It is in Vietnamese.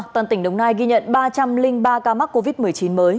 toàn tỉnh đồng nai ghi nhận ba trăm linh ba ca mắc covid một mươi chín mới